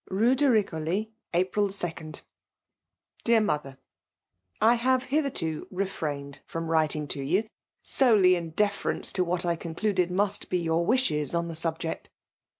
'< Rue de RivoH, JprUtnd. "Dear Mother, " I have hitherto refrained fr<»ii writing to you> solely in deference to what I concluded must be your wishes oh the subject.